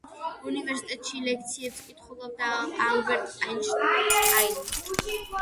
უნივერსიტეტში ლექციებს კითხულობდა ალბერტ აინშტაინი.